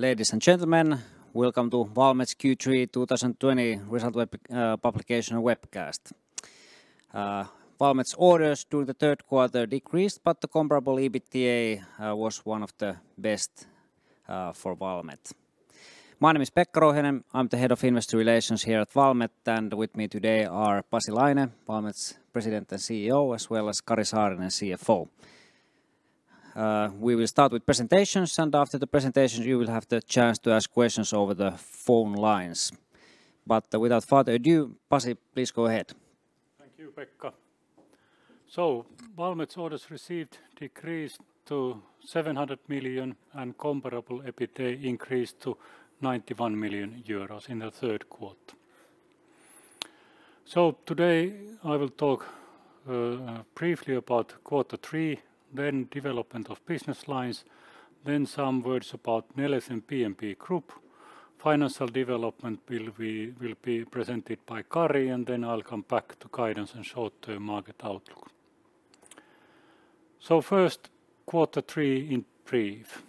Ladies and gentlemen, welcome to Valmet's Q3 2020 result publication webcast. Valmet's orders during the third quarter decreased, but the comparable EBITDA was one of the best for Valmet. My name is Pekka Rouhiainen. I'm the Head of Investor Relations here at Valmet, and with me today are Pasi Laine, Valmet's President and CEO, as well as Kari Saarinen, our CFO. We will start with presentations, and after the presentation, you will have the chance to ask questions over the phone lines. Without further ado, Pasi, please go ahead. Thank you, Pekka. Valmet's orders received decreased to 700 million and comparable EBITDA increased to 91 million euros in the third quarter. Today I will talk briefly about quarter three, then development of business lines, then some words about Neles and PMP Group. Financial development will be presented by Kari, and then I'll come back to guidance and short-term market outlook. First, quarter three in brief.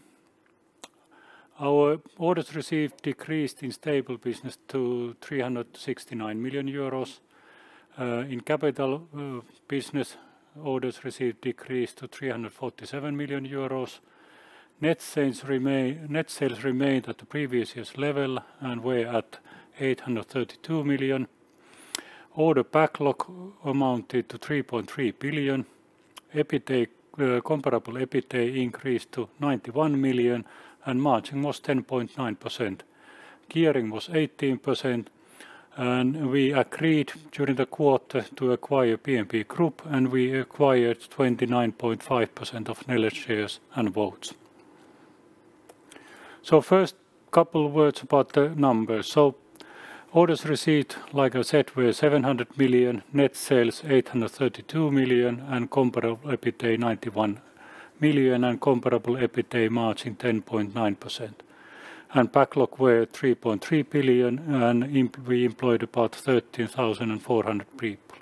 Our orders received decreased in stable business to 369 million euros. In capital business, orders received decreased to EUR 347 million. Net sales remained at the previous year's level and were at EUR 832 million. Order backlog amounted to EUR 3.3 billion. Comparable EBITDA increased to EUR 91 million and margin was 10.9%. Gearing was 18%, and we agreed during the quarter to acquire PMP Group, and we acquired 29.5% of Neles shares and votes. First couple words about the numbers. Orders received, like I said, were EUR 700 million, net sales EUR 832 million, and comparable EBITDA EUR 91 million, and comparable EBITDA margin 10.9%. Backlog were EUR 3.3 billion, and we employed about 13,400 people.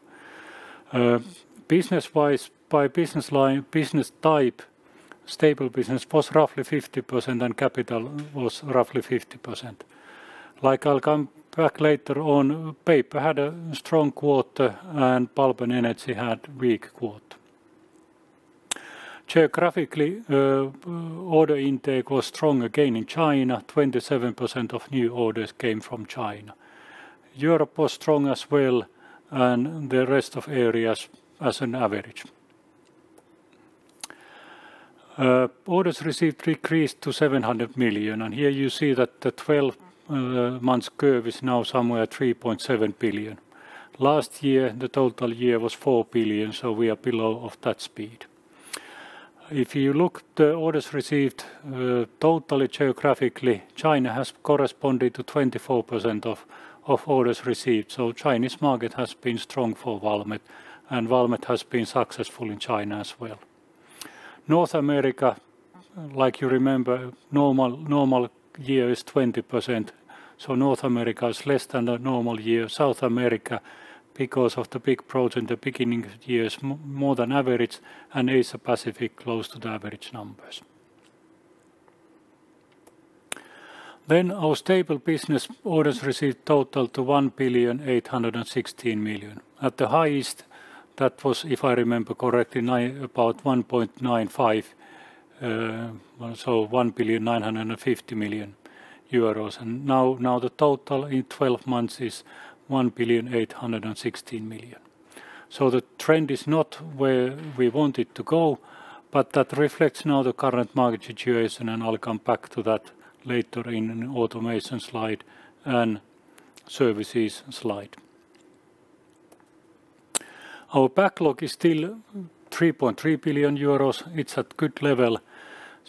Business-wise, by business line, business type, stable business was roughly 50% and capital was roughly 50%. I'll come back later on, Paper had a strong quarter and Pulp and Energy had weak quarter. Geographically, order intake was strong again in China, 27% of new orders came from China. Europe was strong as well and the rest of areas has an average. Orders received decreased to 700 million. Here you see that the 12-month curve is now somewhere 3.7 billion. Last year, the total year was 4 billion, so we are below of that speed. If you look the orders received totally geographically, China has corresponded to 24% of orders received, so Chinese market has been strong for Valmet, and Valmet has been successful in China as well. North America, like you remember, normal year is 20%, North America is less than a normal year. South America, because of the big growth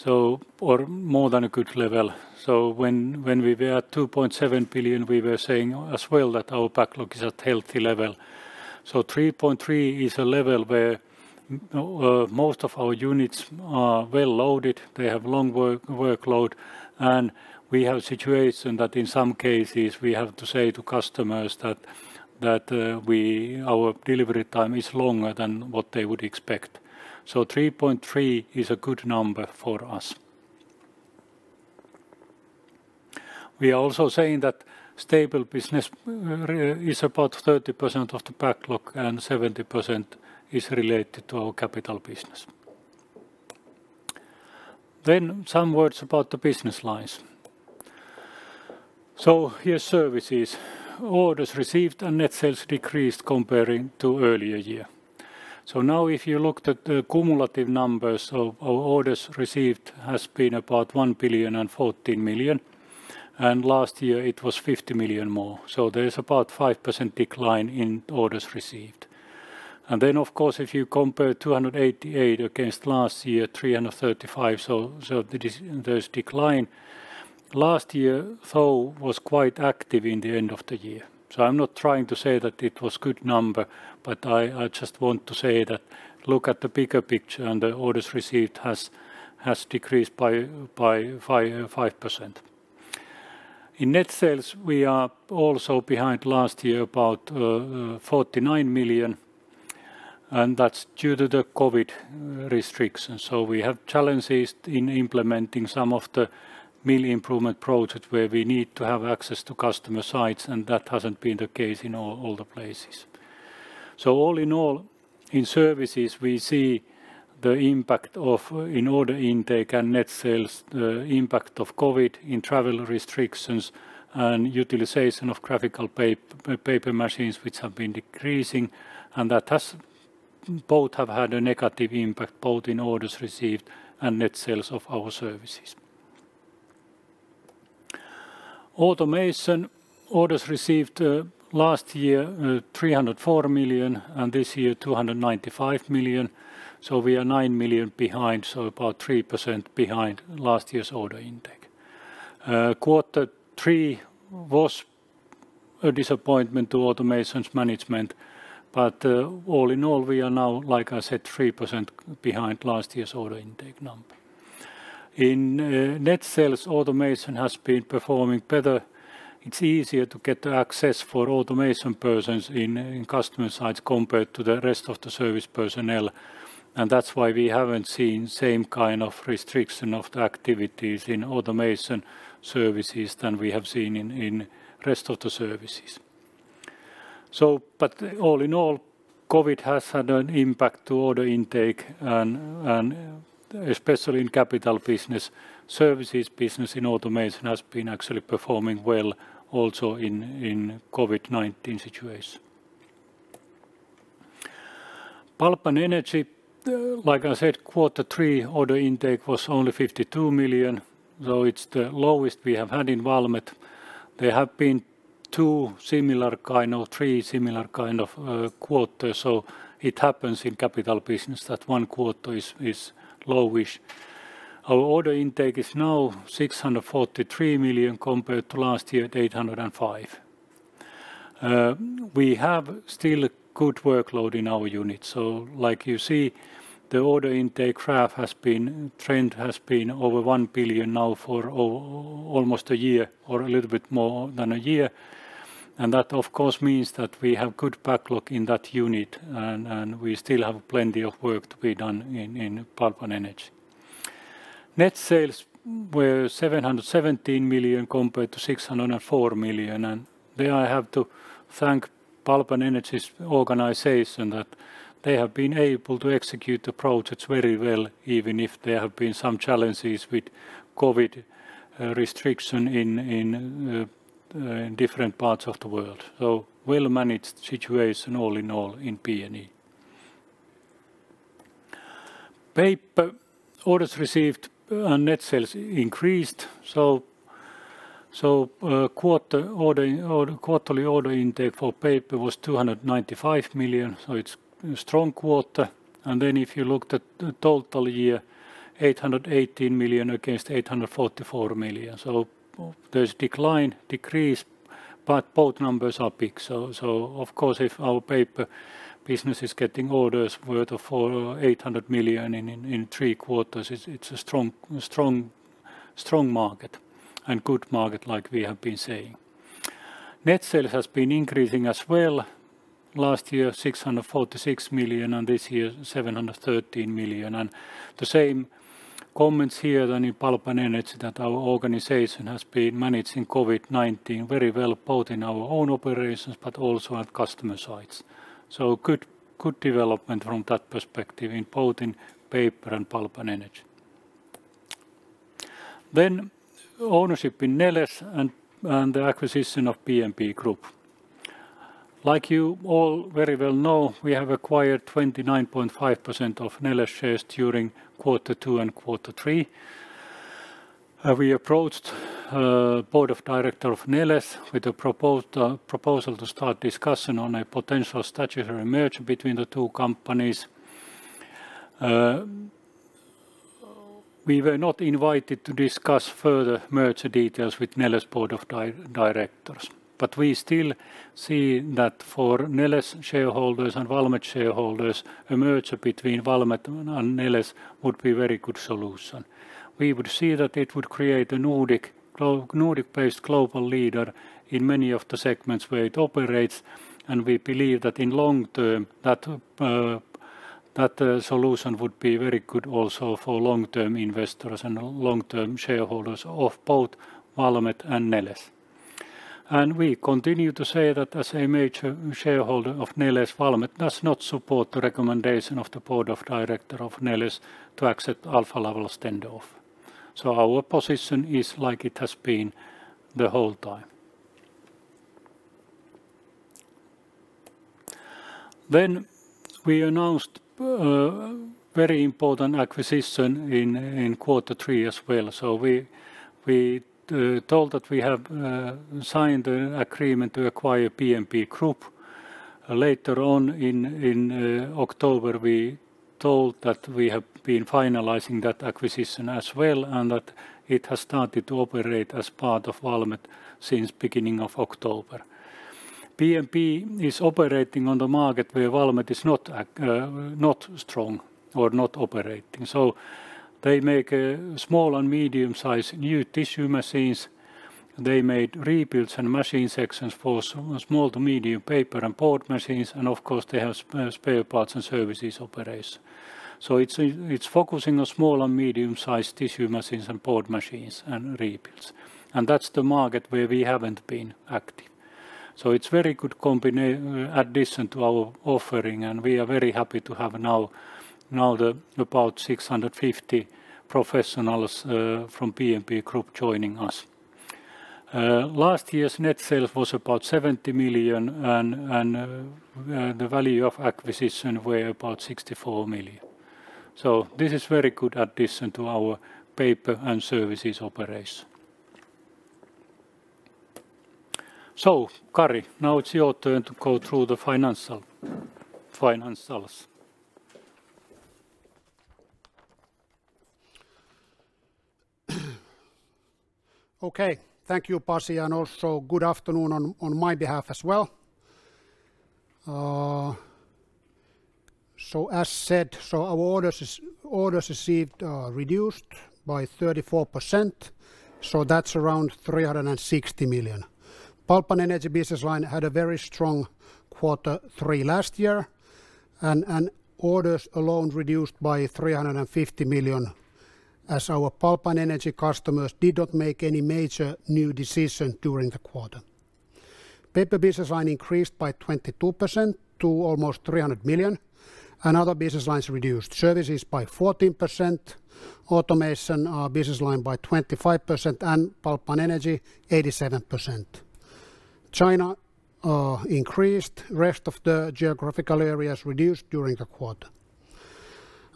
in the beginning years, more than average, and Asia-Pacific, close to the average numbers. Our stable business orders received total to EUR 1,816,000,000 At the highest, that was, if I remember correctly, about EUR 1.95, and so EUR 1,950,000,000. Now the total in 12 months is EUR 1,816,000,000. The trend is not where we want it to go, but that reflects now the current market situation, and I'll come back to that later in an Automation slide and Services slide. Our backlog is still EUR 3.3 billion. It's at good level, or more than a good level. When we were at EUR 2.7 billion, we were saying as well that our backlog is at healthy level. EUR 3.3 billion is a level where most of our units are well loaded, they have long workload, and we have a situation that in some cases we have to say to customers that our delivery time is longer than what they would expect, so EUR 3.3 billion is a good number for us. We are also saying that stable business is about 30% of the backlog and 70% is related to our capital business. Some words about the business lines. Here's Services. Orders received and net sales decreased comparing to earlier year. Now if you looked at the cumulative numbers of our orders received has been about 1,014,000,000 and last year it was 50 million more. There's about 5% decline in orders received. And then of course, if you compare 288 against last year, 335, there's decline. Last year, though, was quite active in the end of the year. I'm not trying to say that it was good number, but I just want to say that look at the bigger picture, and the orders received has decreased by 5%. In net sales, we are also behind last year about 49 million, and that's due to the COVID restrictions. We have challenges in implementing some of the main improvement projects where we need to have access to customer sites, and that hasn't been the case in all the places. All in all, in Services, we see the impact of in order intake and net sales, the impact of COVID in travel restrictions and utilization of graphical Paper machines, which have been decreasing, and both have had a negative impact both in orders received and net sales of our services. Automation orders received last year, 304 million, and this year 295 million. We are 9 million behind, so about 3% behind last year's order intake. Quarter three was a disappointment to Automation's management but all in all, we are now, like I said, 3% behind last year's order intake number. In net sales, Automation has been performing better. It's easier to get the access for Automation persons in customer sites compared to the rest of the service personnel, that's why we haven't seen same kind of restriction of the activities in Automation services than we have seen in rest of the services. All in all, COVID has had an impact to order intake, and especially in capital business. Services business in Automation has been actually performing well also in COVID-19 situation. Pulp and Energy, like I said, quarter three order intake was only 52 million, so it's the lowest we have had in Valmet. There have been two similar kind or three similar kind of quarters. It happens in capital business that one quarter is low-ish. Our order intake is now 643 million compared to last year at 805 million. We have still good workload in our units. Like you see, the order intake graph trend has been over 1 billion now for almost a year or a little bit more than a year and that of course means that we have good backlog in that unit, and we still have plenty of work to be done in Pulp and Energy. Net sales were 717 million compared to 604 million. There I have to thank Pulp and Energy's organization that they have been able to execute the projects very well, even if there have been some challenges with COVID restriction in different parts of the world. Well-managed situation all in all in P and E. Paper orders received and net sales increased. Quarterly order intake for Paper was 295 million, so it's strong quarter and then if you looked at total year, 818 million against 844 million. There's decline, decrease, but both numbers are big. Of course, if our Paper business is getting orders worth of 800 million in three quarters, it's a strong market and good market, like we have been saying. Net sales has been increasing as well. Last year, 646 million, and this year 713 million. The same comments here than in Pulp and Energy that our organization has been managing COVID-19 very well, both in our own operations but also at customer sites. Good development from that perspective in both in Paper and Pulp and Energy. Then ownership in Neles and the acquisition of PMP Group. Like you all very well know, we have acquired 29.5% of Neles shares during quarter two and quarter three. We approached Board of Directors of Neles with a proposal to start discussion on a potential statutory merger between the two companies. We were not invited to discuss further merger details with Neles Board of Directors, but we still see that for Neles shareholders and Valmet shareholders, a merger between Valmet and Neles would be very good solution. We would see that it would create a Nordic-based global leader in many of the segments where it operates, and we believe that in long-term, that solution would be very good also for long-term investors and long-term shareholders of both Valmet and Neles. We continue to say that as a major shareholder of Neles, Valmet does not support the recommendation of the Board of Director of Neles to accept Alfa Laval's tender offer. Our position is like it has been the whole time. Then we announced very important acquisition in quarter three as well. We told that we have signed an agreement to acquire PMP Group. Later on in October, we told that we have been finalizing that acquisition as well, and that it has started to operate as part of Valmet since beginning of October. PMP is operating on the market where Valmet is not strong or not operating, so they make small and medium-sized new tissue machines. They made rebuilds and machine sections for small to medium paper and board machines, and of course, they have spare parts and services operation. It's focusing on small and medium-sized tissue machines and board machines and rebuilds and that's the market where we haven't been active. It's very good addition to our offering, and we are very happy to have now the about 650 professionals from PMP Group joining us. Last year's net sales was about 70 million, and the value of acquisition were about 64 million. This is very good addition to our Paper and Services operation. Kari, now it's your turn to go through the financials. Okay. Thank you, Pasi, and also good afternoon on my behalf as well. As said, our orders received are reduced by 34%, so that's around 360 million. Pulp and Energy business line had a very strong quarter three last year, and orders alone reduced by 350 million as our Pulp and Energy customers did not make any major new decision during the quarter. Paper business line increased by 22% to almost 300 million, and other business lines reduced: Services by 14%, Automation business line by 25%, and Pulp and Energy 87%. China increased. Rest of the geographical areas reduced during the quarter.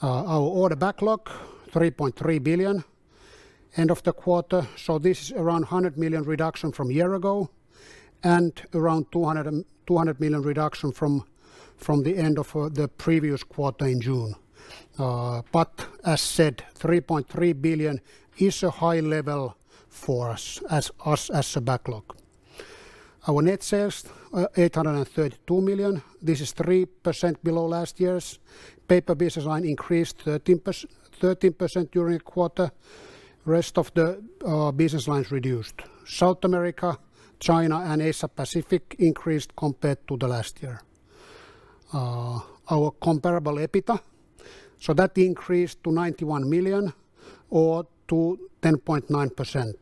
Our order backlog, 3.3 billion end of the quarter. This is around 100 million reduction from a year ago and around 200 million reduction from the end of the previous quarter in June. As said, 3.3 billion is a high level for us as a backlog. Our net sales are 832 million. This is 3% below last year's. Paper business line increased 13% during the quarter. Rest of the business lines reduced. South America, China, and Asia Pacific increased compared to the last year. Our comparable EBITDA, so that increased to 91 million or to 10.9%.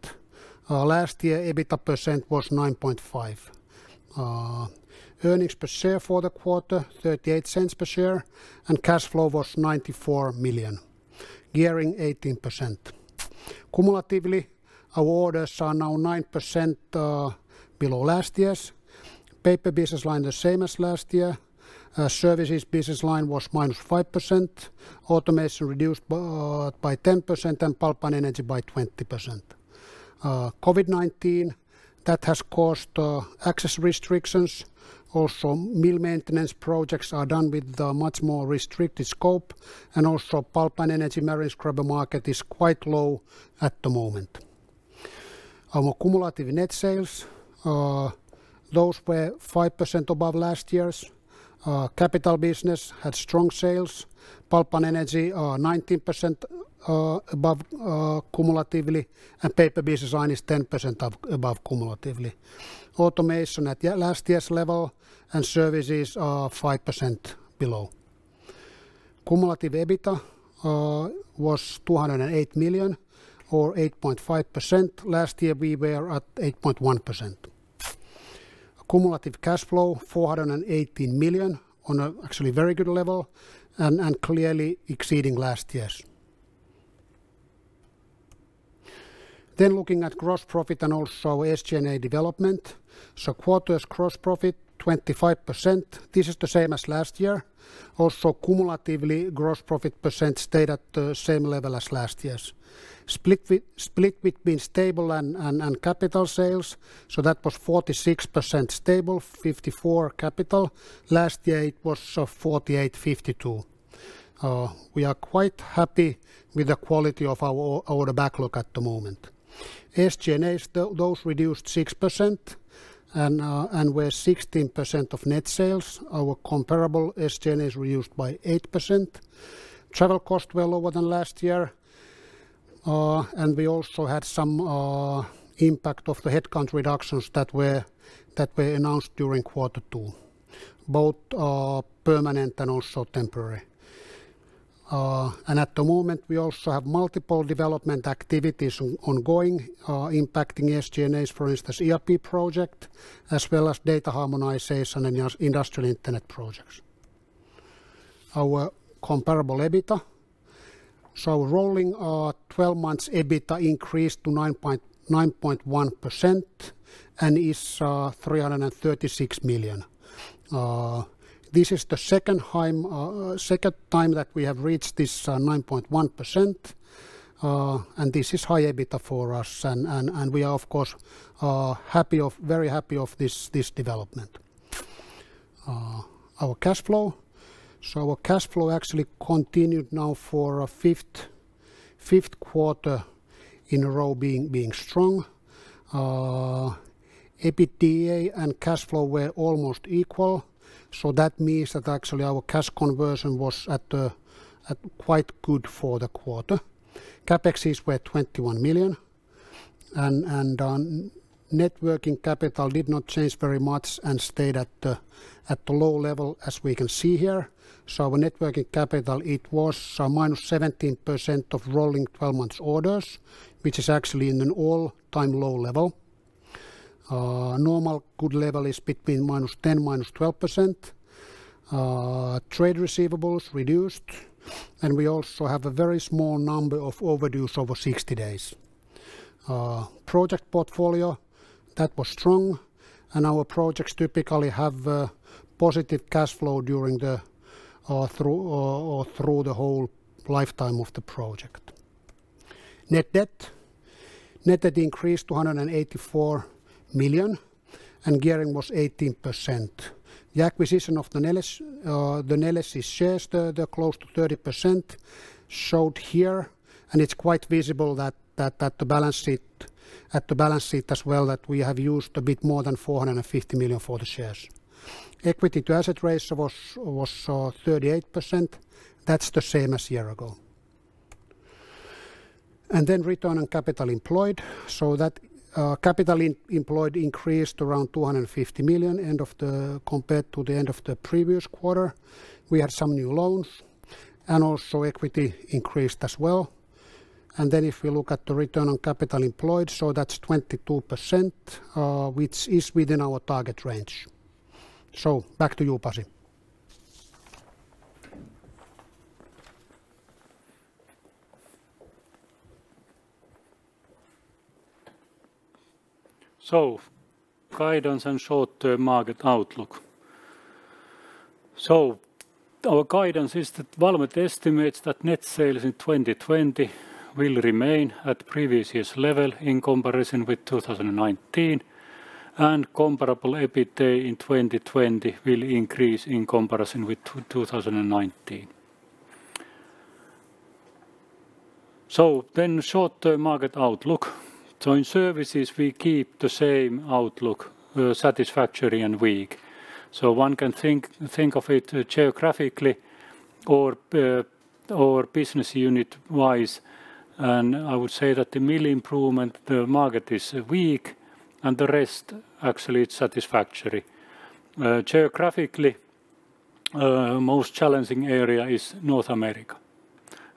Last year, EBITDA percent was 9.5%. Earnings per share for the quarter, 0.38 per share, and cash flow was 94 million, gearing 18%. Cumulatively, our orders are now 9% below last year's. Paper business line the same as last year and Services business line was - 5%. Automation reduced by 10%, and Pulp and Energy by 20%. COVID-19, that has caused access restrictions, also mill maintenance projects are done with a much more restricted scope, and Pulp and Energy marine scrubber market is quite low at the moment. Our cumulative net sales, those were 5% above last year's. Capital business had strong sales. Pulp and Energy are 19% above cumulatively, and Paper business line is 10% above cumulatively. Automation at last year's level, and Services are 5% below. Cumulative EBITDA was 208 million or 8.5%. Last year, we were at 8.1%. Cumulative cash flow, 418 million on a actually very good level and clearly exceeding last year's. Looking at gross profit and SG&A development. Quarter's gross profit 25%. This is the same as last year. Also, cumulatively, gross profit percent stayed at the same level as last year's. Split between stable and Capital sales, 46% stable, 54% Capital. Last year, it was 48/52. We are quite happy with the quality of our order backlog at the moment. SG&As, those reduced 6% and were 16% of net sales. Our comparable SG&As reduced by 8%. Travel costs were lower than last year. We also had some impact of the headcount reductions that were announced during quarter two, both permanent and also temporary. At the moment, we also have multiple development activities ongoing impacting SG&As, for instance, ERP project as well as data harmonization and industrial Internet projects. Our comparable EBITDA. Rolling our 12 months EBITDA increased to 9.1% and is 336 million. This is the second time that we have reached this 9.1%, and this is high EBITDA for us, and we are of course very happy of this development. Our cash flow. Our cash flow actually continued now for a fifth quarter in a row being strong. EBITDA and cash flow were almost equal, so that means that actually our cash conversion was quite good for the quarter. CapExes were 21 million, and net working capital did not change very much and stayed at the low level as we can see here. Our net working capital, it was -17% of rolling 12 months orders, which is actually in an all-time low level. Normal good level is between -10%, -12%. Trade receivables reduced, and we also have a very small number of overdue over 60 days. Project portfolio, that was strong, and our projects typically have positive cash flow through the whole lifetime of the project. Net debt increased to 184 million, and gearing was 18%. The acquisition of the Neles shares, the close to 30% showed here, and it's quite visible that the balance sheet as well that we have used a bit more than 450 million for the shares. Equity to asset ratio was 38%. That's the same as year ago. And then return on capital employed, so that capital employed increased around 250 million compared to the end of the previous quarter. We had some new loans, and also equity increased as well. And then if we look at the return on capital employed, that's 22%, which is within our target range. Back to you, Pasi. Guidance and short-term market outlook. Our guidance is that Valmet estimates that net sales in 2020 will remain at previous year's level in comparison with 2019, and comparable EBITDA in 2020 will increase in comparison with 2019. Short-term market outlook. In Services we keep the same outlook, satisfactory and weak. One can think of it geographically or business unit-wise, and I would say that the mill improvement market is weak, and the rest actually it's satisfactory. Geographically, most challenging area is North America,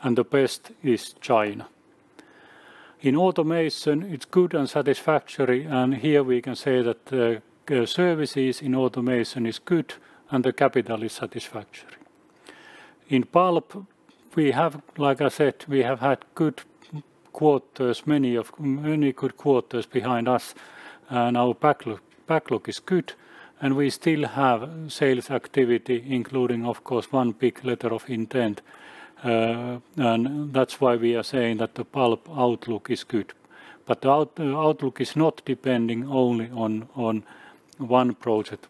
and the best is China. In Automation it's good and satisfactory, and here we can say that Services and Automation is good and the capital is satisfactory. In Pulp, like I said, we have had many good quarters behind us and our backlog is good, and we still have sales activity including, of course, one big letter of intent and that's why we are saying that the pulp outlook is good. The outlook is not depending only on one project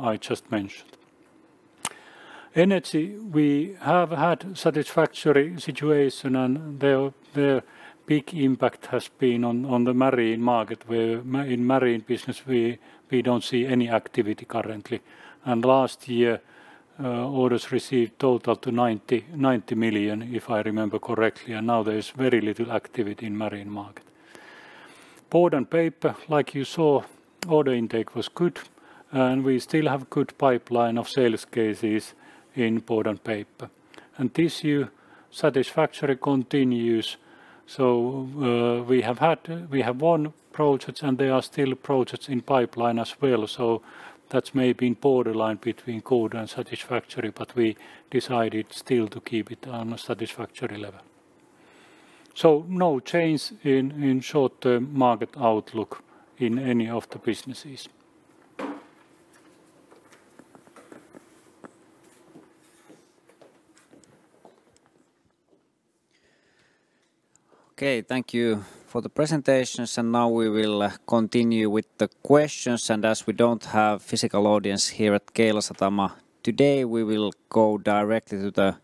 I just mentioned. Energy, we have had satisfactory situation and the big impact has been on the marine market, where in marine business we don't see any activity currently. Last year, orders received total to 90 million if I remember correctly, and now there is very little activity in marine market. Board and Paper, like you saw, order intake was good, and we still have good pipeline of sales cases in board and Paper. Tissue, satisfactory continues. We have won projects and there are still projects in pipeline as well, so that's maybe in borderline between good and satisfactory, but we decided still to keep it on a satisfactory level. No change in short-term market outlook in any of the businesses. Thank you for the presentations. Now we will continue with the questions. As we don't have physical audience here at Keilasatama today, we will go directly to the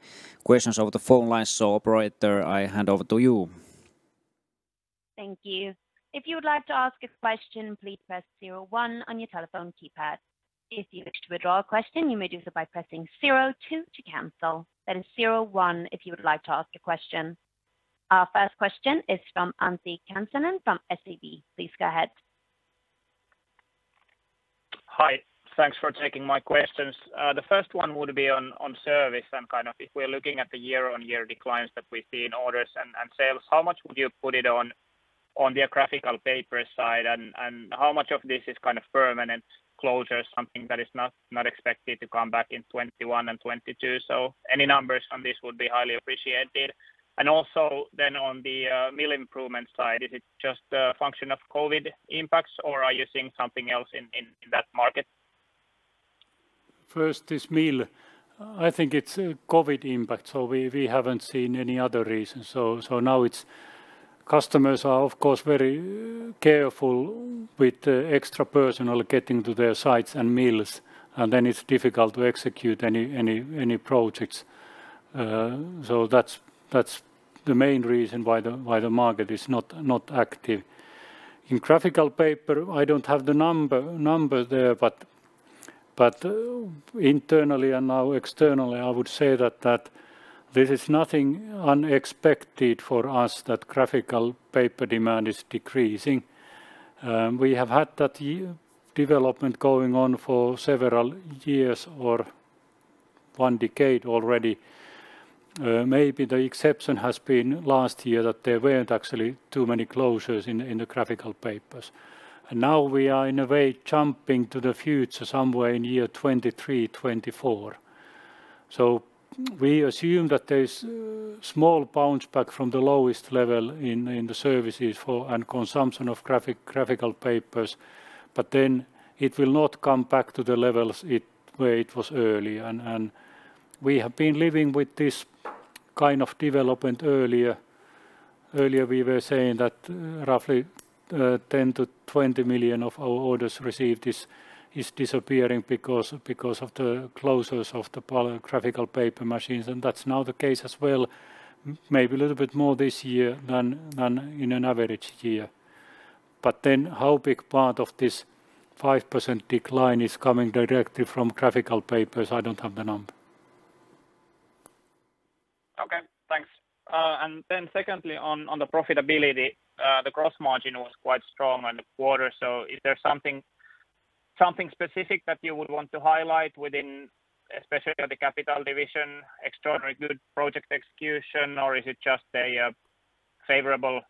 questions over the phone lines. Operator, I hand over to you. Thank you. If you would like to ask a question, please press zero one on your telephone keypad. If you wish to withdraw a question, you may do so by pressing zero two to cancel. That is zero one if you would like to ask a question. Our first question is from Antti Kansanen from SEB. Please go ahead. Hi. Thanks for taking my questions. The first one would be on service and kind of if we're looking at the year-on-year declines that we see in orders and sales, how much would you put it on geographical Paper side and how much of this is kind of permanent closure, something that is not expected to come back in 2021 and 2022? Any numbers on this would be highly appreciated. Also then on the mill improvement side, is it just a function of COVID impacts or are you seeing something else in that market? First is mill. I think it's COVID impact. We haven't seen any other reason. Now customers are, of course, very careful with extra personal getting to their sites and mills and it's difficult to execute any projects. That's the main reason why the market is not active. In graphical paper, I don't have the number there. Internally and now externally, I would say that this is nothing unexpected for us that graphical paper demand is decreasing. We have had that development going on for several years or one decade already. Maybe the exception has been last year that there weren't actually too many closures in the graphical Papers. Now we are, in a way, jumping to the future somewhere in year 2023, 2024. We assume that there's small bounce-back from the lowest level in the Services for and consumption of graphical papers, but thhen it will not come back to the levels where it was early. We have been living with this kind of development earlier. Earlier we were saying that roughly 10 million-20 million of our orders received is disappearing because of the closures of the graphical paper machines, and that's now the case as well, maybe a little bit more this year than in an average year but then how big part of this 5% decline is coming directly from graphical papers, I don't have the number. Okay, thanks. Secondly, on the profitability, the gross margin was quite strong on the quarter. Is there something specific that you would want to highlight within, especially the capital division, extraordinary good project execution, or is it just a favorable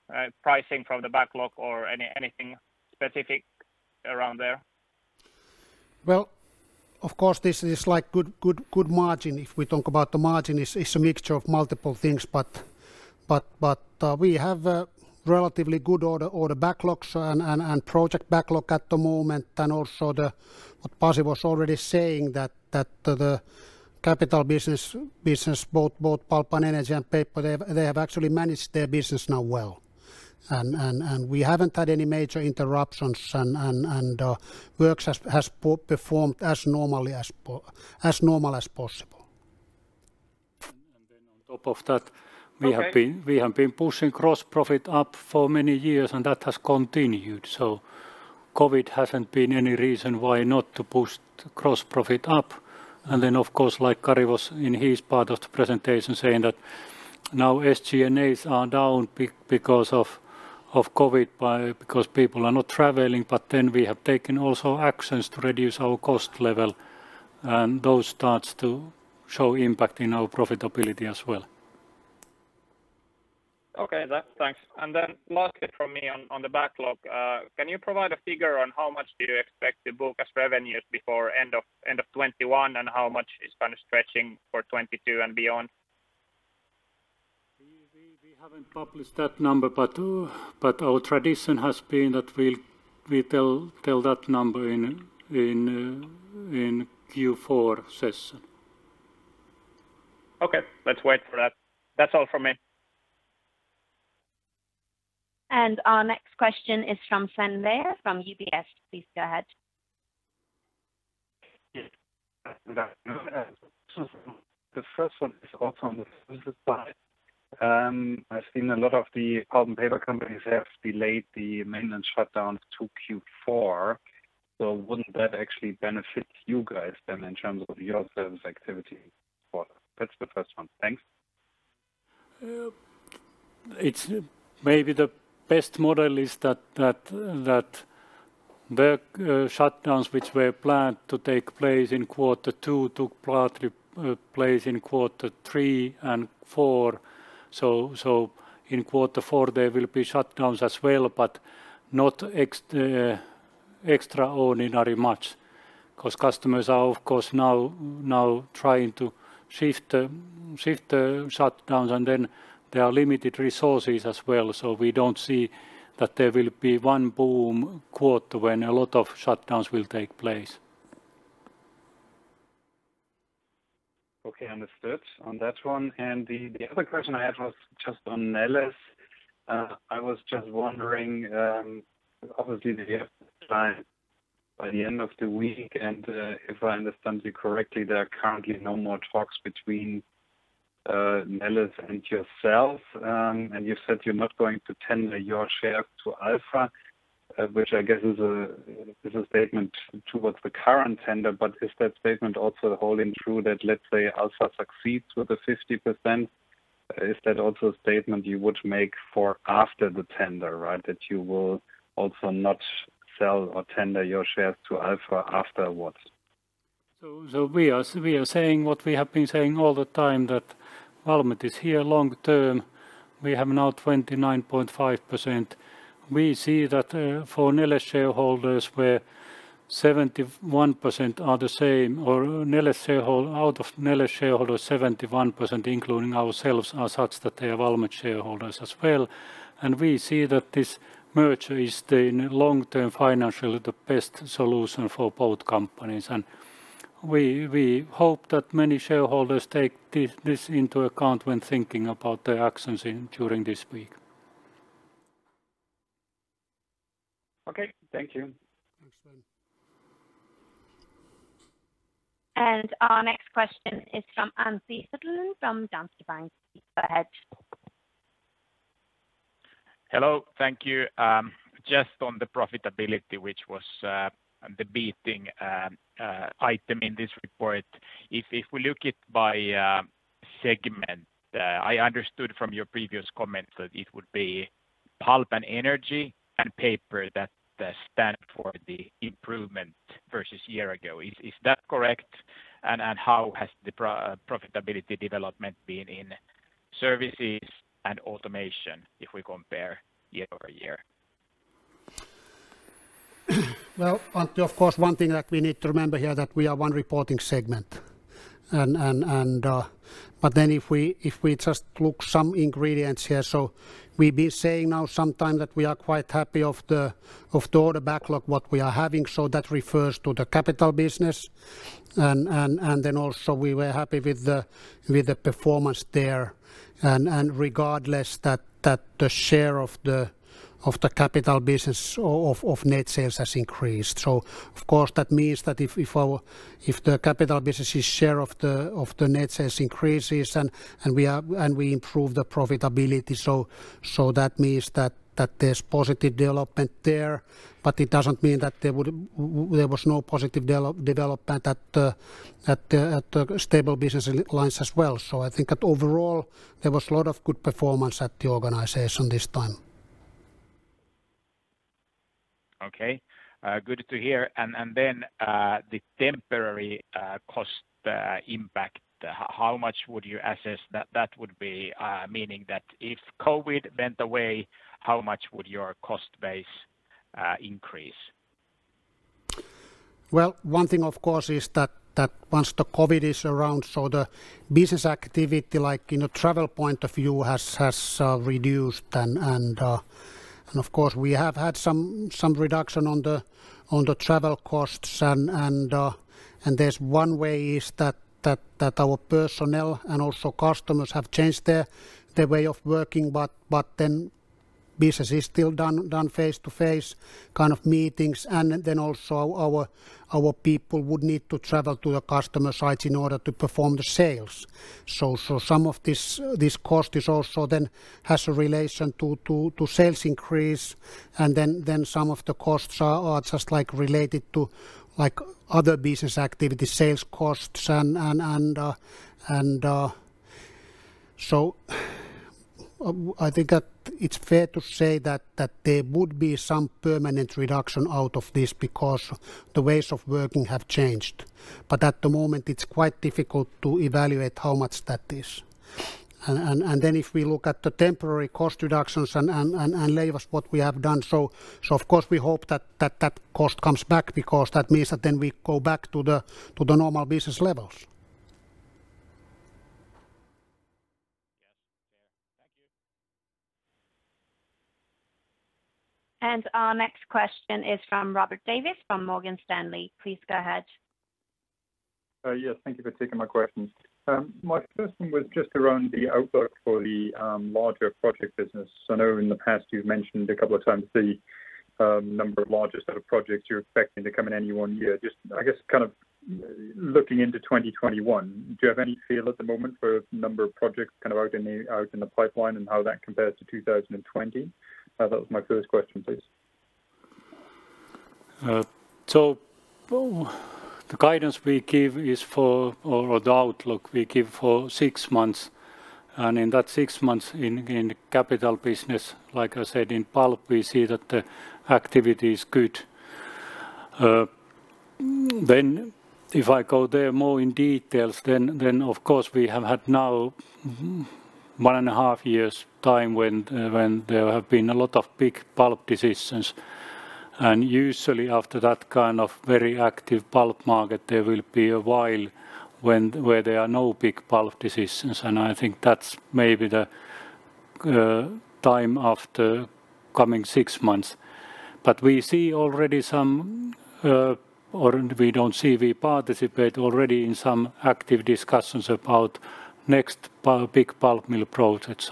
pricing from the backlog or anything specific around there? Well, of course, this is good margin. If we talk about the margin, it's a mixture of multiple things. We have a relatively good order backlogs and project backlog at the moment, and also what Pasi was already saying that the capital business, both Pulp and Energy and Paper, they have actually managed their business now well and we haven't had any major interruptions, and works has performed as normal as possible. And then on top of that- Okay. ...we have been pushing gross profit up for many years, and that has continued. COVID hasn't been any reason why not to push gross profit up. And then of course, like Kari was in his part of the presentation saying that now SG&As are down big because of COVID, because people are not traveling. We have taken also actions to reduce our cost level, and those starts to show impact in our profitability as well. Okay. Thanks. Lastly from me on the backlog, can you provide a figure on how much do you expect to book as revenues before end of 2021, and how much is kind of stretching for 2022 and beyond? We haven't published that number, but our tradition has been that we tell that number in Q4 session. Okay. Let's wait for that. That's all from me. Our next question is from Sven Weier from UBS. Please go ahead. The first one is also on the side. I've seen a lot of the pulp and paper companies have delayed the maintenance shutdowns to Q4. Wouldn't that actually benefit you guys then in terms of your service activity for that? That's the first one. Thanks. Maybe the best model is that work shutdowns which were planned to take place in quarter two took place in quarter three and four. In quarter four, there will be shutdowns as well, but not extraordinary much because customers are, of course, now trying to shift the shutdowns, and then there are limited resources as well. We don't see that there will be one boom quarter when a lot of shutdowns will take place. Okay. Understood on that one. The other question I had was just on Neles. I was just wondering, obviously they have by the end of the week, and if I understand you correctly, there are currently no more talks between Neles and yourself. You said you're not going to tender your share to Alfa, which I guess is a statement towards the current tender. Is that statement also holding true that let's say Alfa succeeds with the 50%? Is that also a statement you would make for after the tender, right? That you will also not sell or tender your shares to Alfa afterwards. We are saying what we have been saying all the time that Valmet is here long term. We have now 29.5%. We see that for Neles shareholders where 71% are the same, or out of Neles shareholders, 71%, including ourselves, are such that they are Valmet shareholders as well. We see that this merger is the long-term financially the best solution for both companies and we hope that many shareholders take this into account when thinking about their actions during this week. Okay. Thank you. Thanks, Sven. Our next question is from Antti Suttelin from Danske Bank. Go ahead. Hello. Thank you. Just on the profitability, which was the beating item in this report. If we look it by segment, I understood from your previous comment that it would be Pulp and Energy and Paper that stand for the improvement versus year ago. Is that correct? How has the profitability development been in Services and Automation if we compare year-over-year? Well, Antti, of course, one thing that we need to remember here that we are one reporting segment. And then if we just look some ingredients here, so we've been saying now sometime that we are quite happy of the order backlog what we are having, so that refers to the capital business and then also we were happy with the performance there and regardless that the share of the capital business of net sales has increased. Of course, that means that if the capital business' share of the net sales increases and we improve the profitability, so that means that there's positive development there, but it doesn't mean that there was no positive development at the stable business lines as well. I think that overall, there was a lot of good performance at the organization this time. Okay. Good to hear. The temporary cost impact, how much would you assess that that would be, meaning that if COVID went away, how much would your cost base increase? Well, one thing, of course, is that once the COVID is around, so the business activity, like in a travel point of view, has reduced and of course we have had some reduction on the travel costs and there's one way is that our personnel and also customers have changed their way of working, but then business is still done face-to-face kind of meetings. Also our people would need to travel to the customer sites in order to perform the sales. Some of this cost is also then has a relation to sales increase, and then some of the costs are just related to other business activity, sales costs. I think that it's fair to say that there would be some permanent reduction out of this because the ways of working have changed but then at the moment it's quite difficult to evaluate how much that is. If we look at the temporary cost reductions and layoffs what we have done, of course we hope that that cost comes back because that means that we go back to the normal business levels. Yes. Fair. Thank you. Our next question is from Robert Davies from Morgan Stanley. Please go ahead. Yes. Thank you for taking my questions. My first one was just around the outlook for the larger project business. I know in the past you've mentioned a couple of times the number of largest sort of projects you're expecting to come in any one year. Just, I guess looking into 2021, do you have any feel at the moment for number of projects out in the pipeline and how that compares to 2020? That was my first question, please. The guidance we give is for or the outlook we give for six months. In that six months in capital business, like I said, in pulp, we see that the activity is good. If I go there more in details, then of course we have had now one and a half years' time when there have been a lot of big pulp decisions, and usually after that kind of very active pulp market, there will be a while where there are no big pulp decisions, and I think that's maybe the time after coming six months. We see already some or we don't see, we participate already in some active discussions about next big pulp mill project.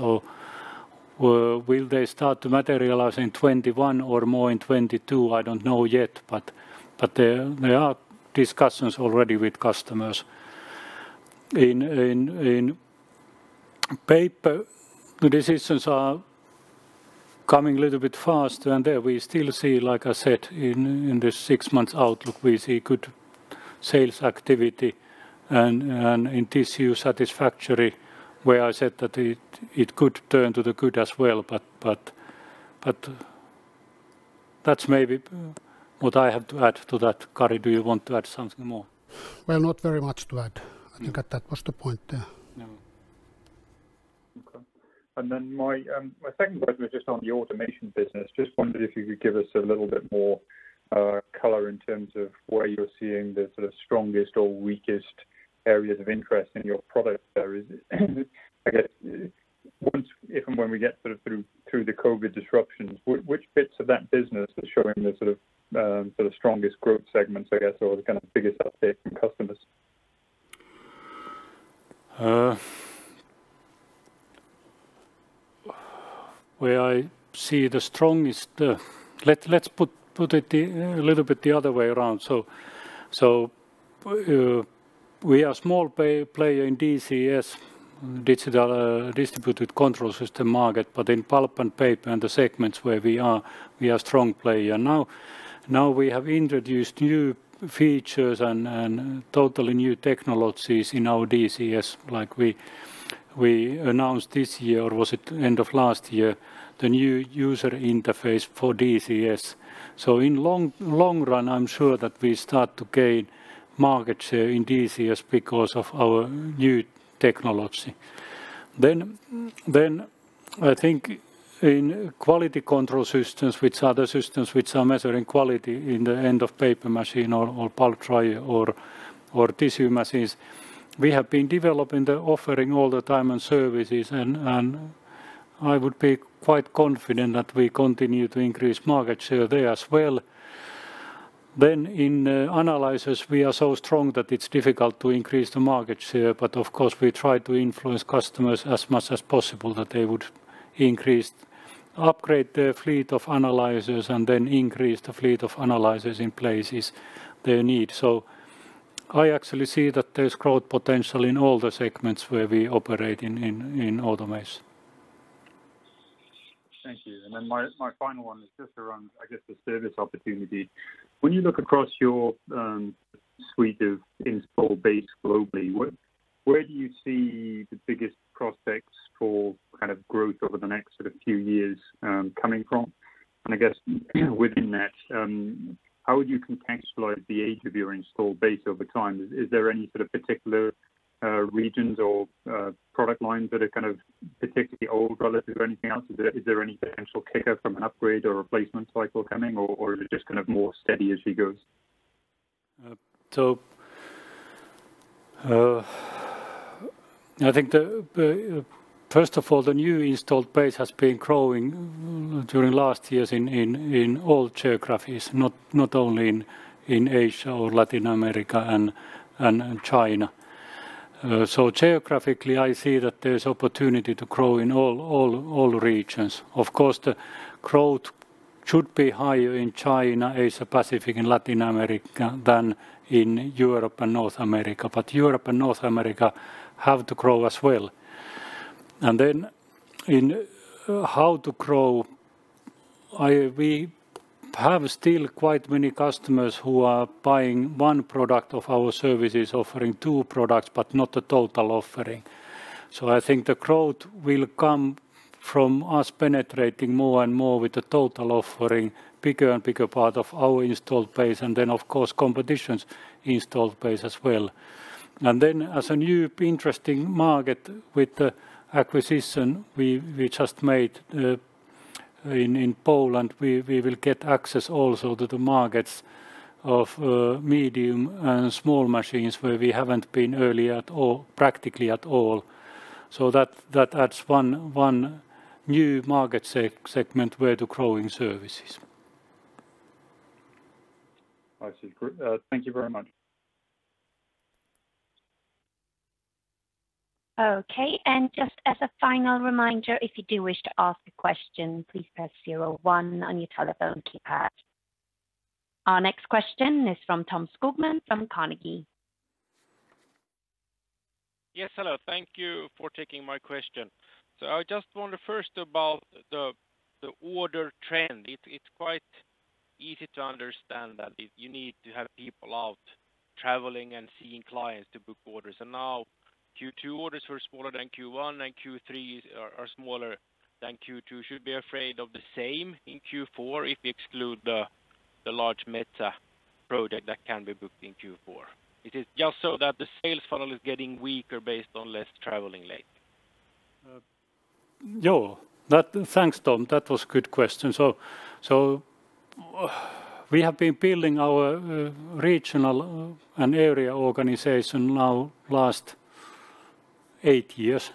Will they start to materialize in 2021 or more in 2022? I don't know yet, but there are discussions already with customers. In Paper, the decisions are coming a little bit faster, and there we still see, like I said, in the six months outlook, we see good sales activity and in tissue satisfactory, where I said that it could turn to the good as well, but that's maybe what I have to add to that. Kari, do you want to add something more? Well, not very much to add. I think that was the point there. No. Okay. My second question was just on the Automation business. Just wondered if you could give us a little bit more color in terms of where you're seeing the sort of strongest or weakest areas of interest in your product areas. I guess once, if and when we get sort of through the COVID disruptions, which bits of that business are showing the sort of strongest growth segments, I guess, or the kind of biggest uptake from customers? Let's put it a little bit the other way around. We are small player in DCS, distributed control system market, but in pulp and Paper and the segments where we are, we are strong player. Now we have introduced new features and totally new technologies in our DCS. Like we announced this year, or was it end of last year, the new user interface for DCS. In long run, I'm sure that we start to gain market share in DCS because of our new technology. I think in quality control systems, which are the systems which are measuring quality in the end of paper machine or pulp dryer or tissue machines, we have been developing the offering all the time and services, and I would be quite confident that we continue to increase market share there as well. But in analyzers, we are so strong that it's difficult to increase the market share, but of course, we try to influence customers as much as possible that they would increase, upgrade their fleet of analyzers, and then increase the fleet of analyzers in places they need. I actually see that there's growth potential in all the segments where we operate in Automation. Thank you. My final one is just around, I guess, the service opportunity. When you look across your suite of install base globally, where do you see the biggest prospects for kind of growth over the next sort of few years coming from? I guess within that, how would you contextualize the age of your installed base over time? Is there any sort of particular regions or product lines that are kind of particularly old relative or anything else? Is there any potential kicker from an upgrade or replacement cycle coming, or is it just kind of more steady as she goes? I think first of all, the new installed base has been growing during last years in all geographies, not only in Asia or Latin America and China. Geographically, I see that there's opportunity to grow in all regions. Of course, the growth should be higher in China, Asia-Pacific, and Latin America than in Europe and North America, but Europe and North America have to grow as well. Then in how to grow, we have still quite many customers who are buying one product of ourServices, offering two products, but not the total offering. I think the growth will come from us penetrating more and more with the total offering, bigger and bigger part of our installed base, and then of course, competition's installed base as well. Then as a new interesting market with the acquisition we just made, in Poland, we will get access also to the markets of medium and small machines where we haven't been earlier at all, practically at all. That adds one new market segment where to growing services. I see. Great. Thank you very much. Okay, and just as a final reminder, if you do wish to ask a question, please press zero one on your telephone keypad. Our next question is from Tom Skogman from Carnegie. Yes, hello. Thank you for taking my question. I just wonder first about the order trend. It's quite easy to understand that you need to have people out traveling and seeing clients to book orders. Now Q2 orders were smaller than Q1, and Q3 are smaller than Q2. Should we afraid of the same in Q4 if we exclude the large Metsä project that can be booked in Q4? It is just so that the sales funnel is getting weaker based on less traveling lately. Yeah. Thanks, Tom. That was a good question. We have been building our regional and area organization now last eight years,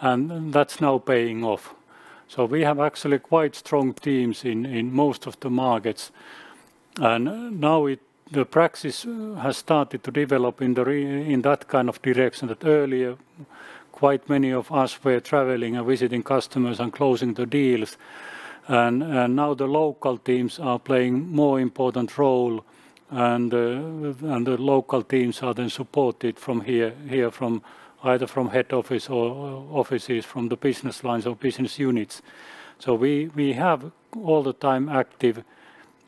and that's now paying off. We have actually quite strong teams in most of the markets. Now the practice has started to develop in that kind of direction that earlier, quite many of us were traveling and visiting customers and closing the deals. Now the local teams are playing more important role, and the local teams are then supported from here, either from head office or offices from the business lines or business units. We have all the time active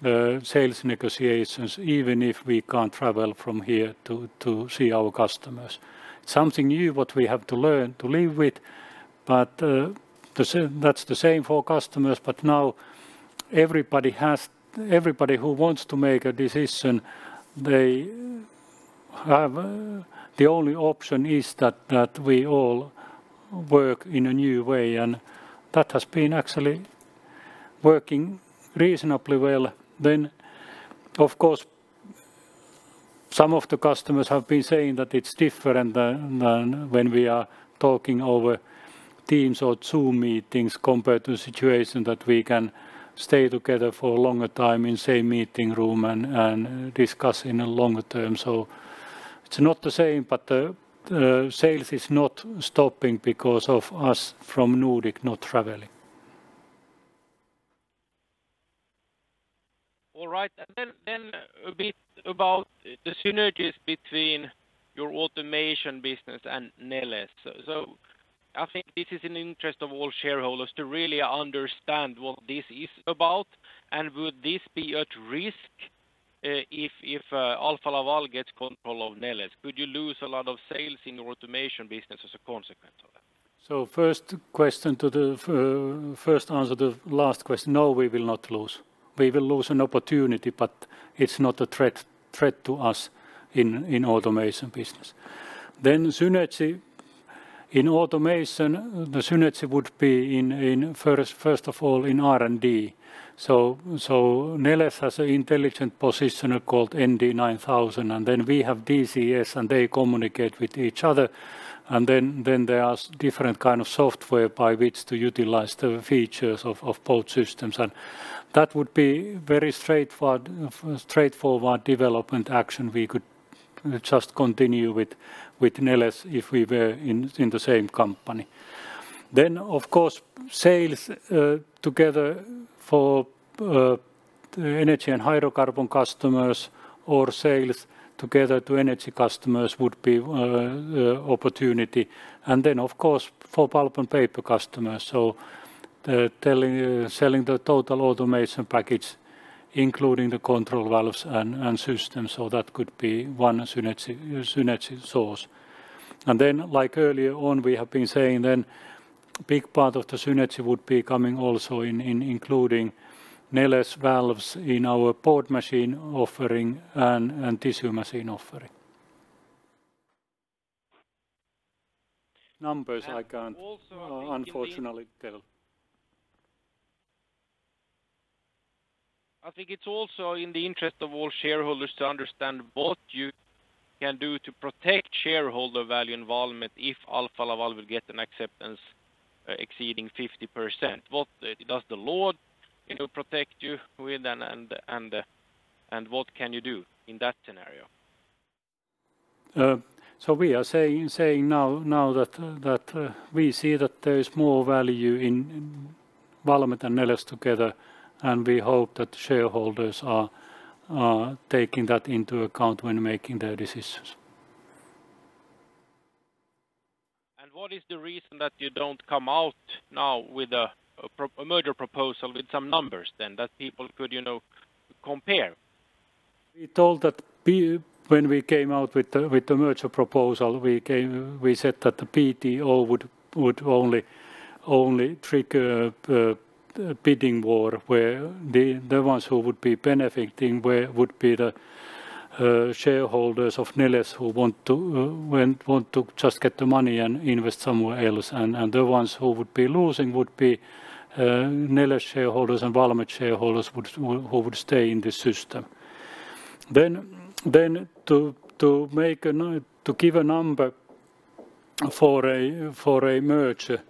sales negotiations, even if we can't travel from here to see our customers. Something new, what we have to learn to live with, but that's the same for customers. Now everybody who wants to make a decision, the only option is that we all work in a new way, and that has been actually working reasonably well. Of course, some of the customers have been saying that it's different than when we are talking over Teams or Zoom meetings compared to a situation that we can stay together for a longer time in the same meeting room and discuss in a longer term. It's not the same, but the sales is not stopping because of us from Nordic not traveling. All right. Then a bit about the synergies between your Automation business and Neles. I think this is in interest of all shareholders to really understand what this is about and would this be at risk if Alfa Laval gets control of Neles? Could you lose a lot of sales in your Automation business as a consequence of that? First answer to the last question, no, we will not lose. We will lose an opportunity, but it's not a threat to us in Automation business. Synergy in Automation, the synergy would be first of all in R&D. Neles has an intelligent positioner called ND9000, and then we have DCS, and they communicate with each other, and then there are different kind of software by which to utilize the features of both systems. That would be very straightforward development action we could just continue with Neles if we were in the same company. Of course, sales together for energy and hydrocarbon customers or sales together to energy customers would be opportunity, and then of course for Pulp and Paper customers. Selling the total Automation package including the control valves and system. That could be one synergy source. And then like earlier on we have been saying then big part of the synergy would be coming also in including Neles valves in our board machine offering and tissue machine offering. Numbers I can't unfortunately tell. I think it's also in the interest of all shareholders to understand what you can do to protect shareholder value involvement if Alfa Laval will get an acceptance exceeding 50%. What does the law you know protect you with and what can you do in that scenario? We are saying now that we see that there is more value in Valmet and Neles together, and we hope that shareholders are taking that into account when making their decisions. What is the reason that you don't come out now with a merger proposal with some numbers then that people could compare? We told that when we came out with the merger proposal, we said that the PTO would only trigger a bidding war where the ones who would be benefiting would be the shareholders of Neles who want to just get the money and invest somewhere else. The ones who would be losing would be Neles shareholders and Valmet shareholders who would stay in the system. To give a number for a merger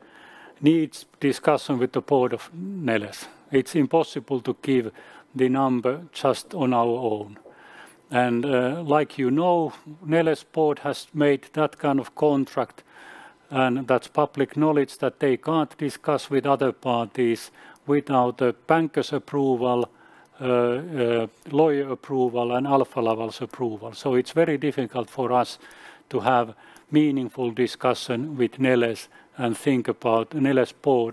needs discussion with the Board of Neles. It's impossible to give the number just on our own. Like you know, Neles Board has made that kind of contract, and that's public knowledge that they can't discuss with other parties without a banker's approval, lawyer approval, and Alfa Laval's approval. It's very difficult for us to have meaningful discussion with Neles Board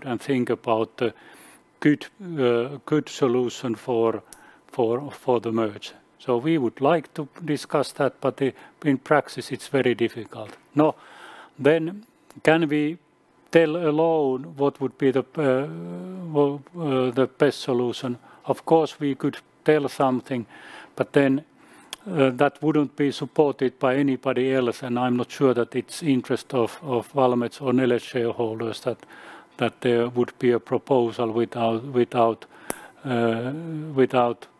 and think about a good solution for the merge. We would like to discuss that, but in practice it's very difficult. Can we tell alone what would be the best solution? Of course we could tell something, that wouldn't be supported by anybody else, and I'm not sure that it's interest of Valmet or Neles shareholders that there would be a proposal without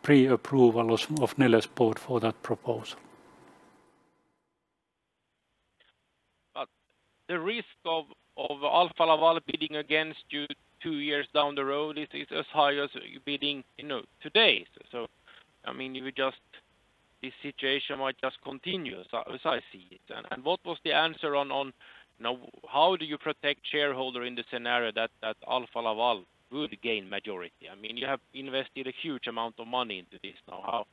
pre-approval of Neles Board for that proposal. The risk of Alfa Laval bidding against you two years down the road is as high as bidding today. I mean, this situation might just continue as I see it. What was the answer on how do you protect shareholder in the scenario that Alfa Laval would gain majority? I mean, you have invested a huge amount of money into this now.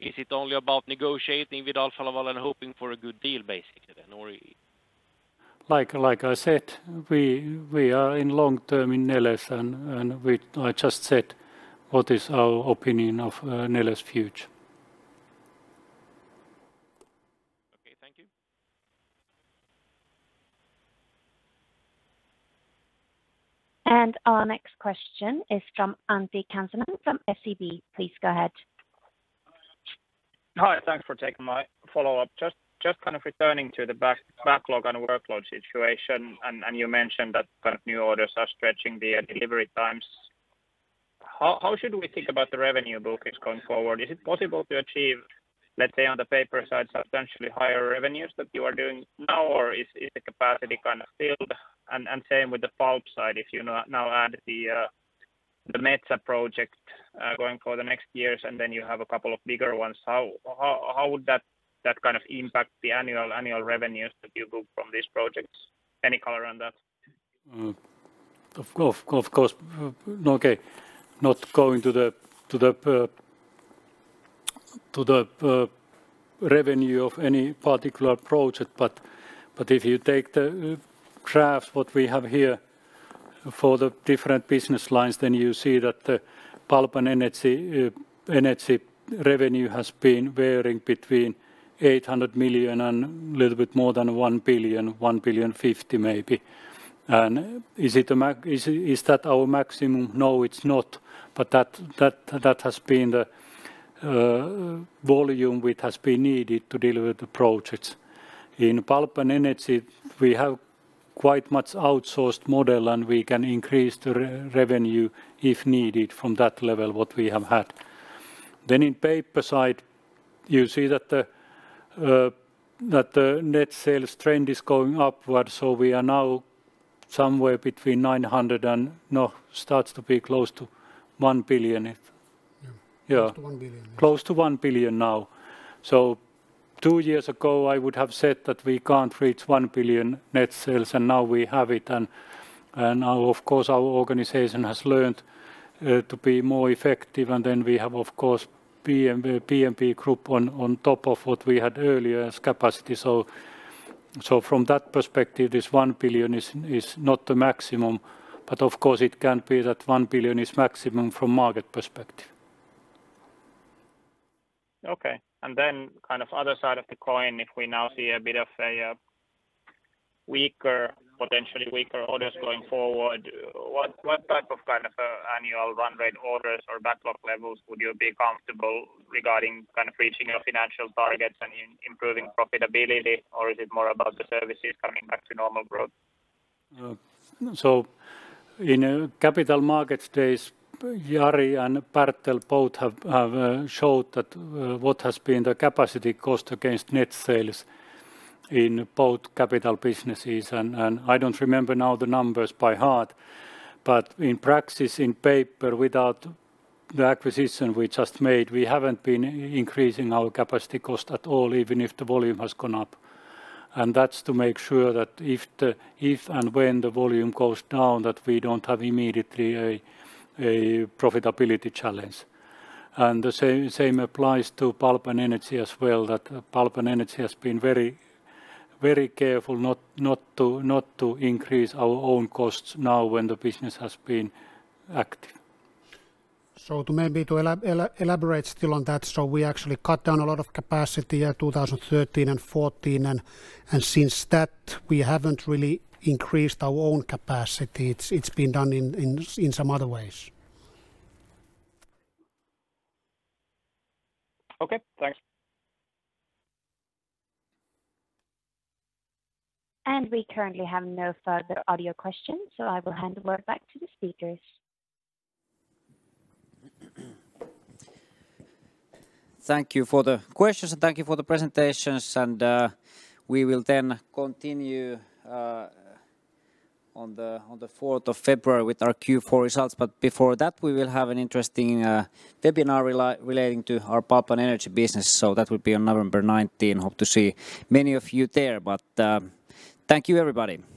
Is it only about negotiating with Alfa Laval and hoping for a good deal basically then? Like I said, we are in long term in Neles and I just said what is our opinion of Neles future. Okay, thank you. And our next question is from Antti Kansanen from SEB. Please go ahead. Hi, thanks for taking my follow-up. Just returning to the backlog and workload situation, and you mentioned that new orders are stretching the delivery times. How should we think about the revenue bookings going forward? Is it possible to achieve, let's say on the Paper side, substantially higher revenues that you are doing now, or is the capacity filled? Same with the Pulp side, if you now add the Metsä project going for the next years, and then you have a couple of bigger ones, how would that impact the annual revenues that you book from these projects? Any color on that? Of course. Okay, not going to the revenue of any particular project, but if you take the graphs, what we have here for the different business lines, you see that the Pulp and Energy revenue has been varying between 800 million and little bit more than 1 billion, 1,050,000,000 maybe. Is that our maximum? No, it's not. That has been the volume which has been needed to deliver the projects. In Pulp and Energy, we have quite much outsourced model, and we can increase the revenue if needed from that level, what we have had. In Paper side, you see that the net sales trend is going upward so we are now somewhere between 900 million and now starts to be close to 1 billion. Yeah. Yeah. Close to 1 billion. Close to 1 billion now. Two years ago, I would have said that we can't reach 1 billion net sales, and now we have it. Now, of course, our organization has learned to be more effective. Then we have, of course, PMP Group on top of what we had earlier as capacity. From that perspective, this 1 billion is not the maximum, but of course it can be that 1 billion is maximum from market perspective. Okay. Other side of the coin, if we now see a bit of a potentially weaker orders going forward, what type of annual run rate orders or backlog levels would you be comfortable regarding reaching your financial targets and improving profitability? Is it more about the Services coming back to normal growth? In capital markets days, Jari and Bertel both have showed what has been the capacity cost against net sales in both capital businesses, and I don't remember now the numbers by heart, but in practice, in Paper, without the acquisition we just made, we haven't been increasing our capacity cost at all, even if the volume has gone up. That's to make sure that if and when the volume goes down, that we don't have immediately a profitability challenge. The same applies to Pulp and Energy as well, that Pulp and Energy has been very careful not to increase our own costs now when the business has been active. To maybe to elaborate still on that, so we actually cut down a lot of capacity year 2013 and 2014, and since that, we haven't really increased our own capacity. It's been done in some other ways. Okay, thanks. We currently have no further audio questions, so I will hand the word back to the speakers. Thank you for the questions. Thank you for the presentations. We will then continue on the 4th of February with our Q4 results. Before that, we will have an interesting webinar relating to our Pulp and Energy business. That will be on November 19. Hope to see many of you there. Thank you everybody. Okay, thanks.